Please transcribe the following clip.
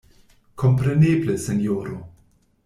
Kompreneble, sinjoro!